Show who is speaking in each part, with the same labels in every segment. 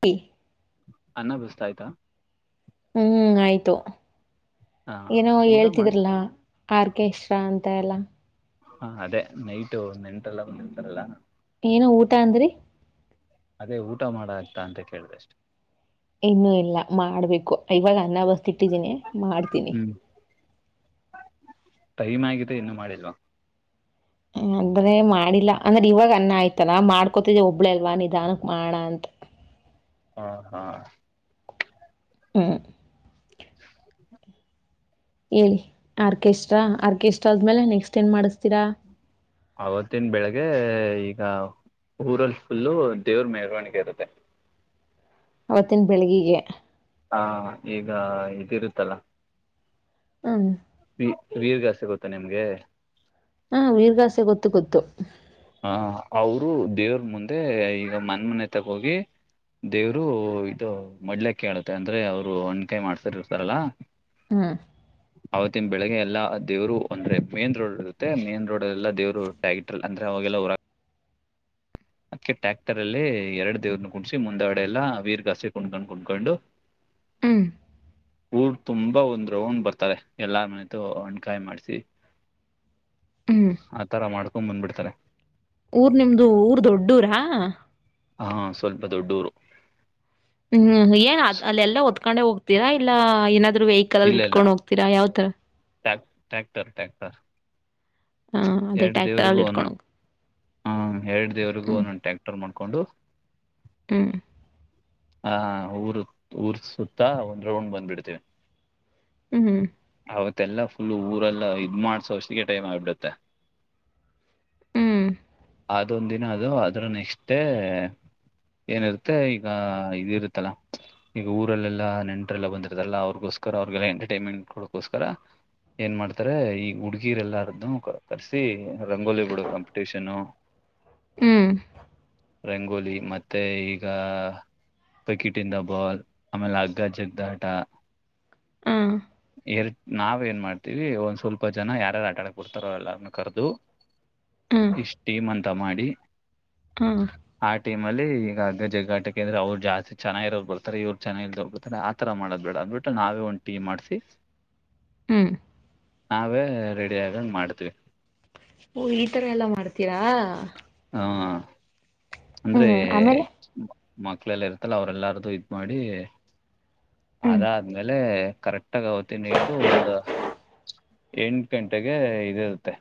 Speaker 1: P
Speaker 2: ಅನ್ನಭಿಸತ ಆ್ತಾ
Speaker 1: ಹೂ ಆಯಿತು
Speaker 2: ಹಾ
Speaker 1: ಏನೋ
Speaker 2: ಊಟ ಮಾಡಿ
Speaker 1: ಹೇಳ್ತಿದ್ರಲ್ಲ ಆರ್ಕೆಸ್ಟ್ರಾ ಅಂತ ಎಲ್ಲ
Speaker 2: ಹಾ ಅದೇ ನೈಟ್ು ಒ ನೆಂಟಲ್ಲ ಒಂದ್ಿರ್ತಾರಲ್ಲ
Speaker 1: ಏನ ಊಟ ಅಂದ್ರಿ
Speaker 2: ಅದೇ ಊಟ ಮಾಡ ಆಗ್ತಾ ಅಂತ ಕೇಳ್ದ ಅಷ್ಟೆ
Speaker 1: ಇನ್ನುೂ ಇಲ್ಲ ಮಾಡ್ಬೇಕು ಇವಾಗ ಅನ್ನ ಬರ್ತಿ ಇಟ್ಟಿದೀನಿ ಮಾಡ್ತೀನಿ
Speaker 2: ೈಮೆ ಆಗಿದೆ ಇನ್ನುೂ ಮಾಡಿಲ್ವಾ
Speaker 1: ನಾನ್ ಒಬ್ಬಳೇ ಮಾಡಿಲ್ಲಾ ಅಂದ್ರೆ ಇವಾಗ ಅನ್ನ ಆಯ್ತಲ್ಲ ಮಾಡ್ಕೋತಿದ್ದೆ ಒಬ್ಬಳು ಅಲ್ವಾ ನಿಧಾನಕ್ ಮಾಡ ಅಂತ
Speaker 2: ಹಾ ಹಾ
Speaker 1: ಹಾ
Speaker 2: ಹ
Speaker 1: ಹೇಳಿ ಆರ್ಕೆಸ್ಟ್ರಾ ಆರ್ಕೆಸ್ಟ್ರಾ ಆದ್ಮೇಲೆ ನೆಕ್ಸ್ಟ್ ಏನ್ ಮಾಡಿಸ್ತೀರಾ
Speaker 2: ಆವತ್ತಿನ ಬೆಳಗ್ಗೆ ಈಗ ಊರಲ್ಲಿ ಫುಲ್ಲು ದೇವ್ರ ಮೆರವಣಿಗೆ ಇರುತ್ತೆ
Speaker 1: ಅವತ್ತಿನ ಬೆಳಿಗ್ಗೆ
Speaker 2: ಹಾ ಈಗ ಇದಿರುತ್ತಲ್ಲ
Speaker 1: ಹೂ
Speaker 2: ವಿ ವೀರ್ಗಸೇ ಗೊತ್ತಾ ನಿಮ್ಗೆ
Speaker 1: ಹಾ ವೀರ್ಗಾಸೆ ಗೊತ್ತು ಗೊತ್ತು
Speaker 2: ಹ ಅವರು ದೇವ್ರ ಮುಂದೆ ಈಗ ಮನ್ ಮನೆ ತಗೋಗಿ ದೇವ್ರು ಇದು ಮಡ್ಲಕ್ಕೆೇಳುತ್ತೆ ಅಂದ್ರೆ ಅವ್ರು ಹಣ್ಣುಕಾಯಿ ಮಾಡ್ತಾರ ಇರ್ತಾರಲ್ಲ
Speaker 1: ಹಾ
Speaker 2: ಹ ಆತ್ತಿನ ಬೆಳಗ್ಗೆ ಎಲ್ಲಾ ದೇವ್ರು ಅಂದ್ರೆ ಮೈನ್ ರೋಡ್ ಇರುತ್ತ ಮೈನ್ ರೋಡ್ಲ್ಲ ದೇವರು ಟ್ಯಕ್ ಅಂದ್ರೆ ಾವಲ್ಲರ ಅಕ್ಕೆ ಟ್ಯಾಕ್ಟರ್ ಅಲ್ಲಿ ಎರಡು ದೇವ್ರನ್ನ ಕುೂಡಸಿ ಮುಂದಾಡೆ ಎಲ್ಲ ವೀರ್ಗಾಸಿ ಕುಣ್ಕೊಂಡ್ ಕುಣ್ಕೊಂಡು
Speaker 1: ಹ್ಮ್
Speaker 2: ಊರ್ ತುಂಬಾ ಒಂದ್ ರೋೊಂಡ್ ಬರ್ತಾರೆ ಎಲ್ಲಾರ ಮನತು ಹಣ್ಕಾಯಿ ಮಾಡ್ಸಿ
Speaker 1: ಹ್ಮ್
Speaker 2: ಆ ತರ ಮಾಡ್ಕೊಂಡ್ ಬಂದ್ಬಿಡ್ತಾರೆ
Speaker 1: ಊರ್ ನಿಮ್ದು ಊರ್ ದೊಡ್ಡೂರಾ
Speaker 2: ಹಾ ಸ್ವಲ್ಪ ದೊಡ್ಡೂರು
Speaker 1: ಹೂ ಏನ್ ಅ
Speaker 2: ಸೊ,
Speaker 1: ಅಲ್ಲ ಒದ್ಕೊಂಡೆ ಹೋಗ್ತೀರಾ ಇಲ್ಲ ಏನಾದ್ರು ವೆಹಿಕಲ್ ಅಲ್ಲಿ ಇಟ್ಕೊಂಡ್ ಹೋಗ್ತೀರಾ ಯಾವ್ ತಾರ
Speaker 2: ಟ ಟ್ಯಾಕ್ಟರ್ ಟ್ಯಾಕ್ಟರ್
Speaker 1: ಆ! ಅದೇ
Speaker 2: ಎರಡು ದೇವ್ರಿಗೂ
Speaker 1: ಟ್ರ್ಯಾಕ್ಟರಲ್ಲಿ ಇಟ್ಕೊಂಡ್
Speaker 2: ಒನ್ಂಟು
Speaker 1: ಹೋಗ್
Speaker 2: ಹ ಎರಡು ದೇವ್ರರಿಗೂ
Speaker 1: ಹ್ಮ್.
Speaker 2: ಒನ್ಂಟ ರ್ ಮಾಡ್ಕೊಂಡು
Speaker 1: ಹೂ
Speaker 2: ಹ ಊರು ಊರ್ ಸುತ್ತಾ ಒಂದ್ ರೌಂಡ್ ಬಂದ್ಬಿಡ್ತೀವಿ
Speaker 1: ಹೂ
Speaker 2: ಅವತ್ತೆಲ್ಲಾ ಫುಲ್ ಊರೆಲ್ಲ ಇದ್ ಮಾಡಸೋವಷ್ಟಿಗೆ ಟೈಮ್ ಆಗ್ಿಬಿಡುತ್ತೆ
Speaker 1: ಹ್ಮ್.
Speaker 2: ಅದೊಂದ ದಿನ ಅದು ಅದ್ರ ನೆಕ್ಸ್ಟ್ೇ ಏನಿರುತ್ತೆ ಈಗ ಇದುರುತ್ತಲ್ಲ ಈಗ ಊರಲ್ಲಾ ನೆಟ್ರರೆಲ್ಲ ಬಂದರತದಲ್ಲ ಅವರ್ಗೋಸ್ಕರ ಅವ್ರಿಗೆಲ್ಲ ಎಂಟರ್ಟೈನ್ಮೆಂಟ್ ಕೊಡಕೋಸ್ಕರ ಏನ್ ಮಾಡ್ತಾರೆ ಈಗ ಹುಡುಗೀರೆ ಎಲ್ಲಾರದ್ದು ಕರ್ಸಿ ರಂಗೋಲಿ ಬಿಡು ಕಾಂಪಿಟೀಷನು
Speaker 1: ಹ್ಮ್.
Speaker 2: ರಂಗೋಲಿ ಮತ್ತೆ ಈಗ ಬಕೀಟ್ ಇನ್ ದಿ ಬಾಲ್ ಆಮೇಲೆ ಅಗ್ಗಜಗ್ಗಾಟ
Speaker 1: ಹಾ
Speaker 2: ಎರ ನಾವ್ ಏನ್ ಮಾಡ್ತೀವಿ ಒಂದ್ ಸ್ವಲ್ಪ ಜನ ಯಾರ್ಯಾರು ಆಟಾಡಕ್ ಬಿಡ್ತಾರೋ ಎಲ್ಲರ್ನ ಕಾರ್ದು
Speaker 1: ಆ!
Speaker 2: ಇಷ್ಟ ಟೀಮ್ ಮಂತ ಮಾಡಿ
Speaker 1: ಹಾ
Speaker 2: ಆ ಟೀಮ ಅಲ್ಲಿ ಅಗ್ಗಜಿಗಾಟಕ ಅಂದ್ರ ಅವ್ರು ಜಾಸ್ತಿ ಚೆನ್ನಾಗಿರೋರು ಬರ್ತಾರೆ ಇವರು ಚನ್ನಾಗಿ ಇಲ್ಡೋರ್ ಬರ್ತಾರೆ ತರ ಮಾಡೋದ್ ಬೇಡ ಅದ್ಬಿಟ್ಟ ನಾವೇ ಒಂದ್ ಟೀಮ್ ಮಾಡ್ಸಿ
Speaker 1: ಹೂ
Speaker 2: ನಾವೇ ರೆಡಿ ಆಗಂಗ ಮಾಡ್ತ್ವಿ
Speaker 1: ಹೂ ಈ ತರ ಎಲ್ಲಾ ಮಾಡ್ತೀರಾ
Speaker 2: ಹೂ ಅಂದ್ರೆ
Speaker 1: ಹ್ಮ್. ಆಮೇಲೆ?
Speaker 2: ಮಕ್ಳೆಲ್ಲ ಇರ್ತಲ್ಲ ಅವ್ರಲ್ಲಾರ್ದು ಇಡ್ಮಾಡಿ
Speaker 1: ಹ್ಮ್.
Speaker 2: ಅದಾದ್ಮೇಲೆ ಕರೆಕ್ಟಗ ಅವತ್ತ ನ ಇಟ್ಟು ಒಂದು ಎಂಟು ಗಂಟೆಗೆ ಇದಿರುತ್ತೆ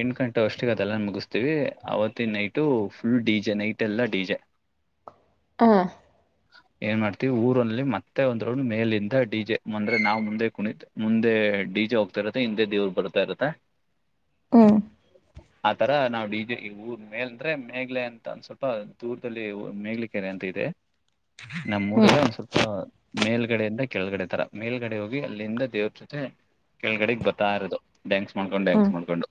Speaker 2: ಎಂಟು ಗಂಟೆ ಅಷ್ಟಿಗೆ ಅದೆಲ್ಲ ಮುಗಿಸ್ತೀವಿ ಅವತ್ತಿನ್ night full D J night ಎಲ್ಲ ಡಿ ಜೆ
Speaker 1: ಹಾ
Speaker 2: ಏನ್ ಮಾಡ್ತೀವಿ ಊರಲ್ಲಿ ಮತ್ತೆ ಒದ್ರೋನ್ಡ್ ಮೇಲಿಂದ ಡಿಜೆ ಅಂದ್ರೆ ನಾವ್ ಮುಂದೆ ಕುಣಿದ್ದೆ ಮುಂದೆ ಡಿಜೆ ಹೋಗ್ತಾ ಇರತ್ತೆ ಹಿಂದೆ ದೇವ್ರ ಬರ್ತಾ ಇರತ್ತೆ
Speaker 1: ಹೂ
Speaker 2: ಆತರ ನಾವು ಡಿಜೆ ಊರ್ ಮೇಲ್ ಅಂದ್ರೆ ಅಂತ ಒಂದ ಸ್ವಲ್ಪ ದೂರದಲ್ಲಿ ಮೇಗ್ಲ ಕೆೆರೆ ಅಂತ ಇದೆ ನಮ್ಮ್
Speaker 1: ಹ್ಮ್.
Speaker 2: ಊರಲ್ಲೇ ಒಂದ್ ಸ್ವಲ್ಪ ಆ ಮೇಲ್ಗಡೆಯಿಂದ ಕೆಳಗಡೆ ತರ ಮೇಲ್ಗಡೆ ಹೋಗಿ ಅಲ್ಲಿಂದ ದೇವ್ರ ಜೊತೆ ಕೆಳಗಡೆಗ್ ಬರ್ತಾ ಇರೋದು ಡ್ಯಾಂಕ್ಸ್ ಮಾಡ್ಕೊಂಡು ಡ್ಯಾನ್ಸ್
Speaker 1: ಹ್ಮ್.
Speaker 2: ಮಾಡ್ಕೊಂಡು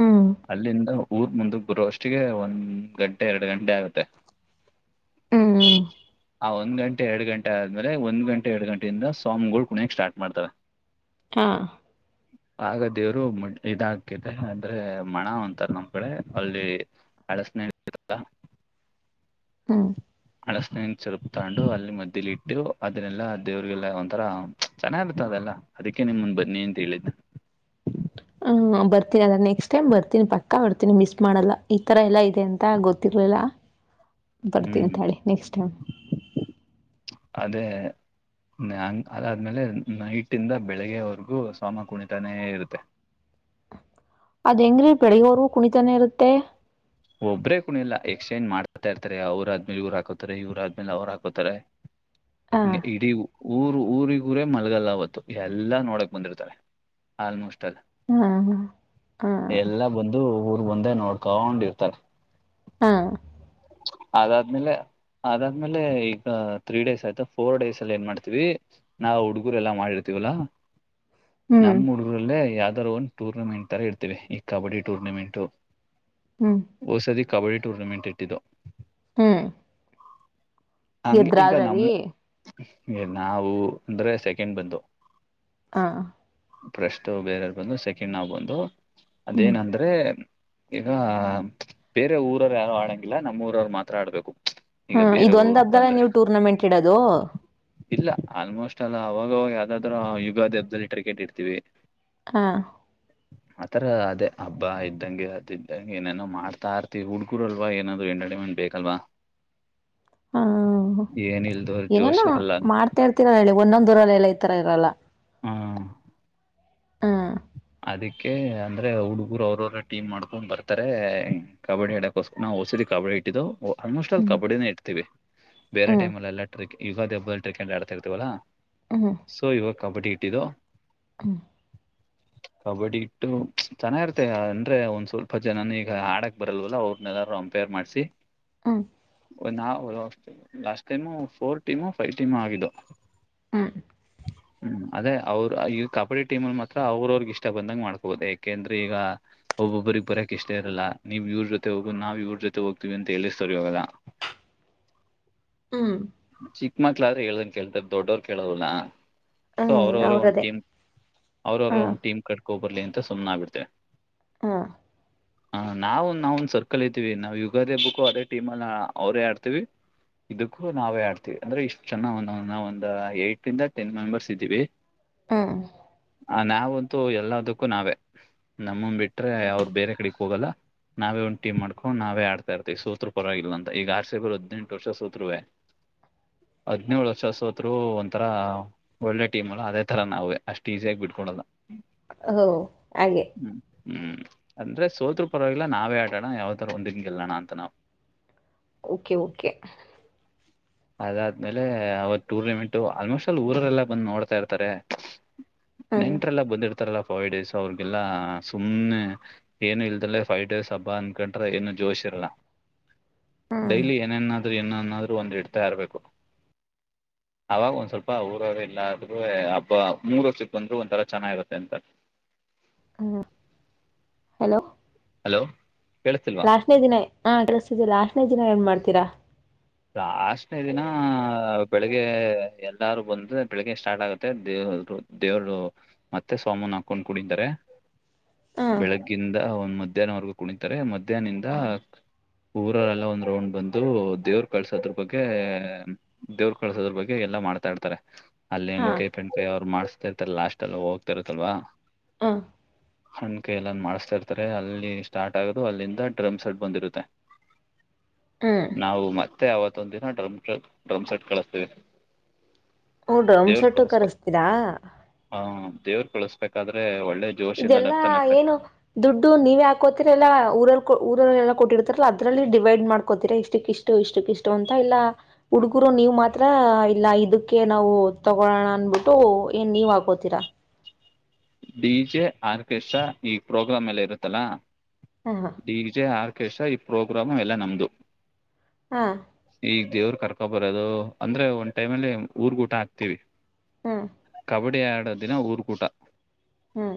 Speaker 1: ಹ್ಮ್.
Speaker 2: ಅಲ್ಲಿಂದ ಊರ್ ಮುಂದಕ್ ಬರುವೋ ಅಷ್ಟೆ ಒಂದ್ ಗಂಟೆ ಎರಡು ಗಂಟೆ ಆಗುತ್ತೆ
Speaker 1: ಹ್ಮ್.
Speaker 2: ಆ ಒಂದ್ ಗಂಟೆ ಎರಡು ಗಂಟೆ ಆದ್ಮಲೆ ಒಂದ್ ಗಂಟೆ ಎರಡು ಗಂಟೆಯಿಂದ ಸೋಮ್ಗಳು ಕ ಕುಣಿಯಕ್ಕೆ ಸ್ಟಾರ್ಟ್ ಮಾಡ್ತವೆ ಅ
Speaker 1: ಹಾ
Speaker 2: ಅ ಆಗ ದೇವರು ಇದ ಹಾಕಿದೆ ಅಂದ್ರೆ ಮಣ ಅಂತಾರ ನಮ್ ಕಡೆ ಅಲ್ಲಿ ಹಲಸಿನಹಣ್ಣು ಸಿಗುತ್ತಾ
Speaker 1: ಹೂ
Speaker 2: ಅಡಸನ ಚರುಪ್ ತೊಂಡು ಅಲ್ಲಿ ಮದ್ದಲಿ ಇಟ್ಟು ಅದನ್ನೆಲ್ಲ ದೇವ್ರಿಗೆಲ್ಲ ಒಂಥರ ಚೆನ್ನಾಗಿರುತ್ತ ಅದಲ್ಲ ಅದಕ್ಕೆ ನಿಮ ಮುಂದ್ ಬನ್ನಿ ಅಂತ ಹೇಳಿದ್ದು
Speaker 1: ಬರ್ತೀನಿ ಅದ ನೆಕ್ಸ್ಟ್ ಟೈಮ್ ಬರ್ತೀನಿ ಪಕ್ಕ ಬರ್ತೀನಿ ಮಿಸ್ ಮಾಡಲ್ಲ ಈ ಥರ ಎಲ್ಲ ಇದೆ ಅಂತ ಗೊತ್ತಿರಲಿಲ್ಲ
Speaker 2: ಅ
Speaker 1: ಬರ್ತೀನಿ ತಿಂತಾಳೆ ನೆಕ್ಸ್ಟ್ ಟೈಮ್
Speaker 2: ಅದೇ ಅದಾದ್ಮೇಲೆ ನೈಟ ಇಂದ ಬೆಳಿಗ್ಗೆವರೆಗೂ ಸಾಮ ಕುಣಿತಾನೇ ಇರುತ್ತೆ
Speaker 1: ಅದ ಹೆಂಗ್ರೀ ಬೆಳಿವೂ ಕುಣಿತಾನೆ ಇರುತ್ತೆ
Speaker 2: ಒಬ್ಬ್ರೇ ಕುೂಣ ಎಲ್ಲ ಎಕ್ಸ್ಚೇಂಜ್ ಮಾಡ್ತಾ ಇರ್ತಾರೆ ಅವ್ರ ಆದ್ಮೇಲೆ ಇವ್ರು ಹಾಕತಾರೆ ಇವ್ರ ಆದ್ಮೇಲೆ ಅವ್ರು ಹಾಕೋತಾರೆ
Speaker 1: ಆ
Speaker 2: ಇಡೀ ಊರು ಊರಿ ಇರೇ ಮಲ್ಗಲ್ಲ ಅವತ್ತು ಎಲ್ಲಾ ನೋಡಕ್ ಬಂದಿರ್ತಾರೆ ಆಲ್ಮೋಸ್ಟ್ ಅಲ್ಲಿ
Speaker 1: ಹ ಹ
Speaker 2: ಎಲ್ಲ ಬಂದು ಊರ್ ಬಂದೇ ನೋಡ್ಕೊಂಡಿರ್ತಾರೆ
Speaker 1: ಹಾ
Speaker 2: ಅದಾದ್ಮೇಲೆ ಅದಾದ್ಮೇಲೆ ಈಗ ತ್ರೀ ಡೇಸ್ ಆಯ್ತಾ ಫೋರ್ ಡೇಸ್ ಅಲ್ಲಿ ಏನ್ ಮಾಡ್ತೀವಿ ನಾವ್ ಹುಡುಗರೆಲ್ಲಾ ಮಾಡಿರ್ತೀವಲ್ಲಾ
Speaker 1: ಹ್ಮ್
Speaker 2: ನಮ ಹುಡುಗ ಊರಲ್ಲೇ ಯಾವ್ದಾದ್ ಒಂದು ಟೂರ್ನಮೆಂಟ್ ತರ ಇರ್ತಿವಿ ಈ ಕಬಡ್ಡಿ ಟೂರ್ನಮೆಂಟ್
Speaker 1: ಹೂ
Speaker 2: ಹೊಸದ ಕಬಡ್ಡಿ ಟೂರ್ನಮೆಂಟ್ ಇಟ್ಟಿದ್ದು
Speaker 1: ಹೂ
Speaker 2: ಹಂಗೆ ಈಗ
Speaker 1: ರೀ
Speaker 2: ನಮ್ಮ ನಾವು ಅಂದ್ರೆ ಸೆಕೆಂಡ್ ಬಂದು
Speaker 1: ಹಾ
Speaker 2: ಪ್ರಸ್ಟ್ ಬೇರೆಯವ್ರ ಬಂದು ಸೆಕೆಂಡ್ ನಾವ್ ಬಂದ್ವು
Speaker 1: ಹ್ಮ್
Speaker 2: ಅದೇನಂದ್ರ ಆದ್ರೆ ಈಗ ಬೇರೆ ಊರವ್ ಯಾರು ಆಡಂಗಿಲ್ಲ ನಮ್ಮೂಊರವ್ರು ಮಾತ್ರ ಆಡ್ಬೇಕು
Speaker 1: ಹ
Speaker 2: ಈಗ ಬೇರೆ
Speaker 1: ಇದ ಒಂದ್
Speaker 2: ಊರ್
Speaker 1: ಹಬ್
Speaker 2: ಬಂದ್ರೆ
Speaker 1: ನೀವು ಟೂರ್ನಮೆಂಟ್ ಇಡೋದು
Speaker 2: ಇಲ್ಲ ಆಲ್ಮೋಸ್ಟ್ ಅಲ್ಲ ಅವಾಗವಾಗ ಯಾವ್ದಾದ್ೂ ಯುಗಾದೇಬದಲ್ಲಿ ಕ್ರಿಕೆಟ್ ಇರ್ತಿೀವಿ
Speaker 1: ಹಾ
Speaker 2: ಅ ಆತರ ಅದೇ ಹಬ್ಬ ಇದ್ದಂಗೆ ಅದ ಇದ್ದಂಗೆ ಏನೇನೋ ಮಾಡ್ತಾ ಇರ್ತಿ ಹುಡ್ಗರುಲ್ವಾ ಏನ ಎನ್ನಡಿ ಮ ಬೇಕಲ್ವಾ
Speaker 1: ಹ
Speaker 2: ಏನ ಇಲ್ದ ಅವ್ರ ಜೋಶ ಇರಲ್ಲ
Speaker 1: ಇರ್ತಿರಲ್ಲ ಹೇಳಿ ಒಂದೊಂದ ದರಲ್ಲ ಈ ತರ ಇರಲ್ಲ
Speaker 2: ಹಾ
Speaker 1: ಹಾ
Speaker 2: ಅದಕ್ಕೆ ಅಂದ್ರೆ ಹುಡುಗರು ಅವ್ರವ್ರ ಟೀಮ್ ಮಾಡ್ಕೊಂಡ್ ಬರ್ತಾರೆ ಕಬಡ್ಡಿ ಹಡಕೋಸ್ಕ ನಾವುಔಷದ ಕಬಡ್ಡಿ ಇಟ್ಟಿದ್ದು ಓ್ ಆಲ್ಮೋಸ್ಟ್ ಅಲ್ಲಿ
Speaker 1: ಹ್ಮ್
Speaker 2: ಕಬಡ್ಡಿನೇ ಇಡ್ತೀವಿ ಬೇರೆ
Speaker 1: ಹ್ಮ್
Speaker 2: ಟೈಮ ಅಲ್ಲ ಟ್ರೆ ಯುಗಾದ ಹಬ್ಬ ್ಕೆಂಡಟ್ ಆಡ್ತಾ ಇರ್ತವಲ್ಲ
Speaker 1: ಹೂ
Speaker 2: ಸೊ ಇವಾಗ ಕಬಡ್ಡಿ ಇಟ್ಟಿದ್ದು
Speaker 1: ಹೂ
Speaker 2: ಕಬಡ್ಡಿ ಇಟ್ಟು ಚೆನ್ನಾಗಿರ್ತೆ ಅಂದ್ರೆ ಒಂದ್ ಸ್ವಲ್ಪ ಜನಾನ ಈಗ ಆಡಕ್ ಬರಲ್ವಲ್ಲ ಅವ್ರನ್ನ ಎಲ್ಲಾರೂ ಅಂಪೇರ್ ಮಾಡ್ಸಿ
Speaker 1: ಹಾ
Speaker 2: ನಾ last time four team five team ಆಗಿದ್ದು
Speaker 1: ಆ
Speaker 2: ಅದೇ ಅವ್ರರು ಈ ಕಬಡ್ಡಿ ಟೀಮ ಅಲ್ಲಿ ಮತ್ತ ಅವ್ರ ಅವ್ರಿಗೆ ಇಷ್ಟ ಬಂದಂಗ್ ಮಾಡ್ಕೋಬಹುದು ಯಾಕೆಂದ್ರೆ ಈಗ ಒಬ್ಬೊಬರಿಗೆ ಬರಕ ಇಷ್ಟ ಇಲ್ಲವವುವ್ರ ಜೊತೆ ಹೋಗೋ ನಾವು ಇವ್ರ ಜೊತೆ ಹೋಗ್ತತಿವಿ ಅಂತ ಹೇಳಿಸ್ತೋರ್ ಇವಾಗಲ್ಲ ಹ
Speaker 1: ಹೂ
Speaker 2: ಚಿಕ್ಕ ಮಕ್ಳ ಆದ್ರೆ ಹೇಳನ್ ಕೇಳ್ತಾರೆ ದೊಡ್ಡೋರು ಕೇಳಲ್ವಲ್ಲ ಸೊ
Speaker 1: ಹ್ಮ್
Speaker 2: ಅವ್ರವ್ರ ಒಂದ್
Speaker 1: ಅವ್ರದೇ
Speaker 2: ಟೀಮ್ ಅವ್ರ
Speaker 1: ಹ
Speaker 2: ಅವರ ಒಂದು ಟೀಮ್ ಕಟ್ಕೊಬರಲಿ ಅಂತ ಸುಮ್ಮ್ ಆಗ್ಬಿಡ್ತವೆ
Speaker 1: ಹಾ
Speaker 2: ಹ ನಾವು ನಾವ ಒಂದ್ ಸರ್ಕಲ್ ಇದೀವಿ ನಾವು ಯುಗಾದೇ ಬುಕ್ಕು ಅದೇ ಟೀಮ ಅಲ್ಲ ಅವ್ರೇ ಆಡ್ತೀವಿ ಇದಕ್ಕೂ ನಾವೇ ಹಡ್ತೀವಿ ಅಂದ್ರೆ ಇಷ್ಟ ಚೆಂದ ಒಂದ ಏಟ್ ಇಂದ ಟೆನ್ ಮೆಂಬರ್ಸ್ ಇದ್ದೀವಿ
Speaker 1: ಹೂ
Speaker 2: ಆ ನಾವಂತೂ ಎಲ್ಲದಕ್ಕೂ ನಾವೇ ನಮ್ಮಂದ ಬಿಟ್ರೆ ಅವ್ರ ಬೇರೆ ಕಡೆಕ್ ಹೋಗಲ್ಲ ನಾವೇ ಒಂದು ಟೀಮ್ಕೊಂಡ ನಾವೇ ಆಡ್ತ ಇತ ಈ ಸೋತ್ರು ಪರವಾಗಿಲ್ಲ ಅ ಈಗ ಆರ್ ಸೇಬರ್ ಹದಿನೆಂಟ ವರ್ಷ ಸತ್ರವೇ ಹಾ ಹದ್ನೇಳು ವರ್ಷ ಸೋತ್ರು ಒಂಥರ ಒಳ್ಳೆ ಟೀಮ್ ಅಲ್ಲ ಅದೇ ತರ ನಾವೇ ಅಷ್ಟೇ ಇಸ್ಸಿ ಯಾಗಿ ಬಿಟ್ಕೊಳಲ್ಲ
Speaker 1: ಹೂ ಹಂಗೆ
Speaker 2: ಹೂ ಅಂದ್ರೆ ಸೋತ್ರ ಪರವಾಗಿಲ್ಲ ನಾವೇ ಅಟಾಡೋನ ಯಾವ್ತರ ಒಂದ ಹಿಂಗೆಲ್ಲಣ ಅಂತ ನಾವ್
Speaker 1: ಓಕೆ ಓಕೆ
Speaker 2: [unintelligible] ಅದಾದ್ಮೇಲೆ ಅವತ್ ಟೂರ್ನಮೆಂಟ್ ಆಲ್ಮೋಸ್ಟ್ ಅಲ್ ಊರೊರೆಲ್ಲ ಬಂದು ನೋಡ್ತಾ ಇರ್ತಾರೆ.
Speaker 1: ಹ್ಮ್
Speaker 2: ನೆಂಟರೆಲ್ಲ ಬಂದಿರತ್ತಾರಲ್ಲೆ ಪಾವಿಡೇಸ್ ಅವ್ರಿಗೆಲ್ಲ ಸುಮ್ಮ್ನೆ ಏನು ಇಲ್ದೆ ಲ್ಲೇ ಪೈವ್ ಡೇಸ್ ಹಬ್ಬ ಅನ್ಕೊಂಡ್ರೆ ಏನು ಜೋಶ್ ಇರಲ್ಲಾ.
Speaker 1: ಹ್ಮ್
Speaker 2: ಡೈಲಿ ಏನೇನ್ನಾದ್ರೂ ಏನನ್ನಾದ್ರೂ ಒಂದು ಇಡ್ತಾ ಇರಬೇಕು. ಅವಾಗ ಒಂದ್ ಸ್ವಲ್ಪ ಊರರೆಲ್ಲದ್ರೂ ಆದ್ರೂವೆ ಹಬ್ಬ ಮೂರು ವರ್ಷ್ ಬಂದ್ರು ಒಂಥರ ಚೆನ್ನಾಗಿರುತ್ತೆ ಅಂತ.
Speaker 1: [unintelligible] ಹಲೋ
Speaker 2: ಹಲೋ ಕೇಳಸತಿಲ್ವಾ.
Speaker 1: ಪಿಜಿನೇ [unintelligible] ಪಿಜಿ ನಾಗ ಏನ್ ಮಾಡ್ತೀರಾ.
Speaker 2: ಲಾಸ್ಟ್ ನೇ ದಿನ ಬೆಳಿಗ್ಗೆ ಎಲ್ಲರೂ ಬಂದರೆ ಬೆಳಿಗ್ಗೆ ಸ್ಟಾರ್ಟ್ ಆಗುತ್ತೆ ದೇವರು ದೇವರು ಮತ್ತೆ ಸೋಮನ್ ಹಾಕೊಂಡ್ ಕುಣಿತ್ತಾರೆ‌.
Speaker 1: ಹ
Speaker 2: ಬೆಳಗ್ಗಿಂದ ಒಂದ್ ಮಧ್ಯಾಹ್ನವರೆಗೂ ಕುಣಿತ್ತಾರೆ ಮಧ್ಯಾಹ್ನಿಂದ ಊರ ಎಲ್ಲ ಒಂದ್ ರೌಂಡ್ ಬಂದು ದೇವ್ರ್ ಕಳ್ಸೋದ್ರು ಬಗ್ಗೆ ದೇವ್ರು ಕಳ್ಸೋದ್ರು ಬಗ್ಗೆ ಎಲ್ಲಾ ಮಾಡ್ತಾ ಇರ್ತಾರೆ ಅಲ್ಲಿ
Speaker 1: ಹ
Speaker 2: ಹೆಂಗ್ [unintelligible] ಮಾಡ್ಸತ್ತಾ ಇರ್ತಾರೆ ಲಾಸ್ಟ್ ಅಲ್ಲಿ ಹೋಗತ್ತ ಇರುತ್ತಲ್ವಾ.
Speaker 1: ಹಾ
Speaker 2: ಹಣ್ಕೆ ಎಲ್ಲಾ ಮಾಡಿಸತ್ತಾ ಇರ್ತಾರೆ ಅಲ್ಲಿ ಸ್ಟಾರ್ಟ್ ಆಗೋದು ಅಲ್ಲಿಂದ ಡ್ರಮ್ಸ್ ಅಲ್ಲಿ ಬಂದಿರುತ್ತೆ.
Speaker 1: ಹ್ಮ್
Speaker 2: [unintelligible] ನಾವು ಮತ್ತೆ ಅವತ್ತೊಂದ ದಿನ ಡ್ರಮ್ ಸೆ ಡ್ರಮ್ ಸೆಟ್ ಕಳಿಸ್ತೀವಿ.
Speaker 1: ಹೊ ಡ್ರಮ್ಸ್
Speaker 2: ದೇವ್ರ
Speaker 1: ಸೆಟ್ಟು
Speaker 2: ಕಳಿಸ್ಬ
Speaker 1: ಕರ್ಸ್ತೀರಾ.
Speaker 2: ಹ ದೇವರು ಕಳಸ್ಬೇಕಾದ್ರೆ ಒಳ್ಳೆ ಜೋಶಿಂದ
Speaker 1: ಇದೆಲ್ಲಾ
Speaker 2: ನಗ್ತಾ ನಗ್ತಾ
Speaker 1: ಏನೂ ದುಡ್ಡು ನೀವೇ ಹಾಕೋತೀರ ಇಲ್ಲ ಊರಲ್ಲಿ ಊರೊರೆಲ್ಲ ಕೊಟ್ಟಿರ್ತಾರಲ್ಲ ಅದ್ರಲ್ಲಿ ಡಿವೈಡ್ ಮಾಡ್ಕೋತೀರಾ ಇಷ್ಟಕ್ ಇಷ್ಟ್ ಇಷ್ಟು ಇಷ್ಟಕ್ಕ್ ಇಷ್ಟು ಅಂತ ಇಲ್ಲ ಹುಡುಗರು ನೀವ್ ಮಾತ್ರ ಇಲ್ಲ ಇದಕ್ಕೆ ನಾವು ತಗೋಳೋಣ ಅನ್ಬಿಟ್ಟು ಏನ್ ನೀವ್ ಹಾಕೋತೀರಾ.
Speaker 2: ಡಿ ಜೆ ಆರ್ಕೆಸ್ಟ್ರಾ ಈ ಪ್ರೋಗ್ರಾಮ್ ಎಲ್ಲಾ ಇರುತ್ತಲ್ಲಾ.
Speaker 1: ಹಾ ಹ
Speaker 2: ಡಿ ಜೆ ಆರ್ಕೆಸ್ಟ್ರಾ ಈ ಪ್ರೋಗ್ರಾಮ್ ಎಲ್ಲಾ ನಮ್ದು.
Speaker 1: ಹಾ
Speaker 2: ಈ ದೇವ್ರ ಕರ್ಕೊ ಬರೋದು ಅಂದ್ರೆ ಒಂದ್ ಟೈಮಲ್ಲಿ ಊರಗ್ ಊಟ ಹಾಕ್ತೀವಿ.
Speaker 1: ಹ್ಮ್
Speaker 2: ಕಬ್ಬಡ್ಡಿ ಆಡೋ ದಿನ ಊರಿಗೆ ಊಟ.
Speaker 1: ಹ್ಮ್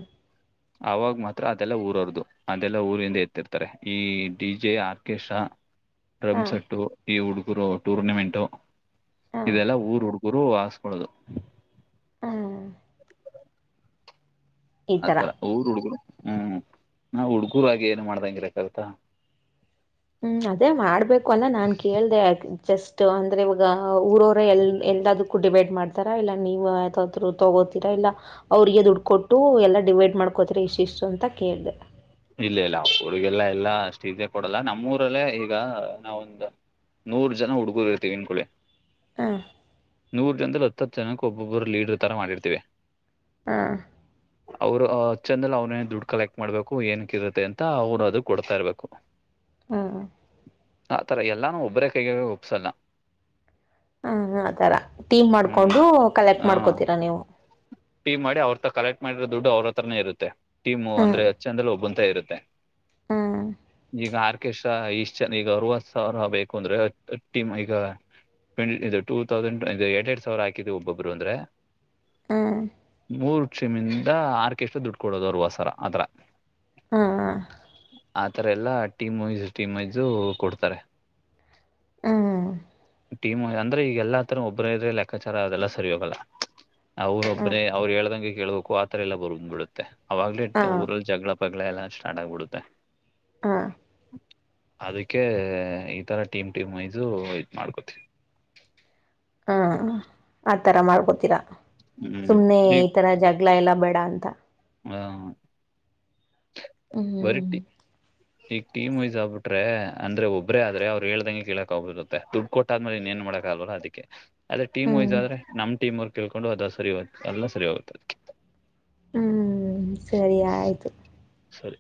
Speaker 2: ಅವಾಗ ಮಾತ್ರ ಅದೆಲ್ಲ ಊರರ್ದು ಅದೆಲ್ಲಾ ಊರಿಂದ ಎತ್ತಿರ್ತಾರೆ ಈ ಡಿ ಜೆ ಆರ್ಕೇಸ್ಟ್ರಾ
Speaker 1: ಹ
Speaker 2: ಡ್ರಮ್ ಸೆಟ್ಟು ಈ ಹುಡುಗರು ಟೂರ್ನಮೆಂಟು
Speaker 1: ಹ ಹ
Speaker 2: ಇದೆಲ್ಲಾ ಊರ್ ಹುಡುಗ್ ಗುರು ಹಾಕ್ಸೋಳ್ಳೋದು.
Speaker 1: ಹಾ ಈ ತರ
Speaker 2: ಆತರ ಊರ ಹುಡ್ಗರು ಹ್ಮ್ ನಾ ಹುಡ್ಗೂರಾಗಿ ಏನ್ ಮಾಡ್ದಂಗಿಲ್ಲ ಕಲ್ತಾ
Speaker 1: ಹ್ಮ್ ಅದೇ ಮಾಡ್ಬೇಕು ಅಲ್ಲ ನಾನ್ ಕೇಳ್ದೆ ಜಸ್ಟ್ ಅಂದ್ರೆ ಇವಾಗ ಊರೊರೆ ಎಲ್ಲಾ ಎಲ್ಲದಕ್ಕ್ ಕೂಟ್ಬೇಕ್ ಮಾಡ್ತಾರಾ ಇಲ್ಲ ನೀವು ಯಾವುದಾದ್ರೂ ತಗೋತೀರಾ ಇಲ್ಲಾ‌ ಅವ್ರಿಗೆ ದುಡ್ಕೊಟ್ಟು ಎಲ್ಲಾ ಡಿವೈಡ್ ಮಾಡ್ಕೋತಿರ ಇಶ್ ಇಷ್ಟು ಅಂತ ಕೇಳ್ದೆ.
Speaker 2: ಇಲ್ಲ ಇಲ್ಲ ಹುಡುಗರೆಲ್ಲಾ ಅಷ್ಟ್ ಇಜಿಯಾಗ್ ಕೊಡಲ್ಲ ನಮ್ಮೂರಲ್ಲೇ ಈಗ ನಾವೊಂದ್ ನೂರ್ ಜನ ಹುಡುಗರು ಇರ್ತವಿ ಅನ್ಕೊಳಿ
Speaker 1: ಹಾ
Speaker 2: ನೂರ ಜನದಲ್ಲಿ ಹತ್ತು ಜನಕ ಒಬ್ಬೊಬ್ಬರು ಲೀಡ್ರ್ ತರ ಮಾಡಿರ್ತಿೀವಿ
Speaker 1: ಹಾ
Speaker 2: ಅವ್ರು ಚಂದಲ್ ಅವ್ನೇ ದುಡ್ಡು ಕಲೆಕ್ಟ್ ಮಾಡ್ಬೇಕು ಏನಕ್ ಇರುತ್ತೆ ಅಂತ ಅವ್ರು ಅದು ಕೊಡ್ತಾ ಇರ್ಬೇಕು
Speaker 1: ಹಾ
Speaker 2: ಆತರ ಎಲ್ಲಾನು ಒಬ್ಬರೇ ಕೈಯಲ್ಲಿ ಒಪ್ಸಲ್ಲ
Speaker 1: ಹ ಆ ತರ ಟೀಮ್
Speaker 2: ಹ್ಮ್
Speaker 1: ಮಾಡ್ಕೊಂಡು ಕಲೆಕ್ಟ್ ಮಾಡ್ಕೋತೀರಾ ನೀವು
Speaker 2: ಟೀ ಮಾಡಿ ಅವ್ರತ್ರ ಕಲೆಕ್ಟ್ ಮಾಡಿರೋ ದುಡ್ಡು ಅವ್ರತ್ರನೇ ಇರುತ್ತೆ ಟೀಮು
Speaker 1: ಹ್ಮ
Speaker 2: ಅಂದ್ರೆ ಒಬ್ಬತಾಗ ಇರುತ್ತೆ
Speaker 1: ಹ್ಮ್
Speaker 2: ಈಗ ಅಕೇಶ ಇಷ್ಟು ಜನ ಈಗ ಅರವತ್ ಸಾವಿರ ಬೇಕು ಅಂದ್ರೆಮ್ ಈಗ ಟ್ ಇದುಟೂ ತೌಸಂಡ ಎಟ್ ಎಟ್ ಸಾವರ ಹಾಕಿದ್ವಿ ಒಬೊಬ್ರು ಅಂದ್ರೆ
Speaker 1: ಹ್ಮ್
Speaker 2: ಮೂರುಷಮಿಂದ ಆರ್ಕೆಸ್್ರ ದುಡ್ಡು ಕೊಡೋದು ಅವರು ವಸರ ಅತ್ರ
Speaker 1: ಹಾ
Speaker 2: ಆತರ ಎಲ್ಲಾ ಟೀಮ್ ವೈಸ್ ಟೀಮ್ ವೈಸು ಕೊಡ್ತಾರೆ
Speaker 1: ಹೂ
Speaker 2: ಟೀಮ್ ಅಂದ್ರೆ ಈಗ ಎಲ್ಲಾ ತರ ಒಬ್ಬರ ಇದ್ರೆ ಲೆಕ್ಕಾಚಾರ ಅದೆಲ್ಲ ಸರಿ ಹೋಗಲ್ಲ
Speaker 1: ಹ್ಮ್
Speaker 2: ಅವ್ರೊಬ್ಬ್ರೇ ಅವ್ರು ಹೇಳ್ದಂಗೆ ಕೇಳ್ಬೇಕು ಆತರ ಎಲ್ಲ ಬರ್್ ಬಿಡುತ್ತೆ ಅವಾಗ್ಲಿೇ
Speaker 1: ಹಾ
Speaker 2: ಊರಲ್ಲಿ ಜಗಳ ಪಗ್ಗಳ ಎಲ್ಲ ಸ್ಟಾರ್ಟ್ ಆಗ್ಬಿಡುತ್ತೆ
Speaker 1: ಹಾ
Speaker 2: ಅದಕ್ಕೆ ಈ ತರ ಟೀಮ್ ಟೀಮ್ ವೈಸ ಇದ್ ಮಾಡ್ಕೊತವಿ
Speaker 1: ಹಾ ಆತರ ಮಾಡ್ಕೊತೀರಾ
Speaker 2: ಹ್ಮ್
Speaker 1: ಸುಮ್ನೆ ಈ ತರ ಜಗಳ ಎಲ್ಲ ಬೇಡ ಅಂತ
Speaker 2: ಹೂ
Speaker 1: ಹ್ಮ್
Speaker 2: ವರಟ್ಟಿ ಈಗ ಟೀಮ ವೈಸ್ ಆಬಿಟ್ರೆ ಅಂದ್ರೆ ಒಬ್ಬ್ರೇ ಆದ್ರೆ ಅವ್ರ ಹೇಳ್ದಂಗೆ ಕೇಳಕ್ ಆಗುತ ಬಿಡುತೆ ದುಡ್ ಕೊಟ್ಟ ಆದ್ಮೇಲೆ ಇನ್ ಏನ್ ಮಾಡಕಗಲ್ವಲಾ ಅದ್ಕೆ ಅದೆ ಟೀಮ್ ವೈಸ್
Speaker 1: ಹ್ಮ್
Speaker 2: ಆದ್ರೆ ನಮ್ ಟೀಮೋರ್ಗೆ ತಿಳ್ಕೊಂಡು ಅದು ಸರಿ ಎಲ್ಲ ಸರಿ ಹೋಗುತ್ತೆ
Speaker 1: ಹೂ ಸರಿ ಆಯ್ತು
Speaker 2: ಸರಿ